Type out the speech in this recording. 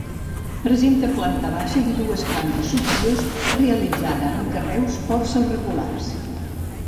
Presenta planta baixa i dues plantes superiors realitzada amb carreus força regulars.